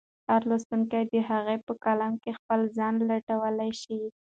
هر لوستونکی د هغه په کلام کې خپل ځان لټولی شي.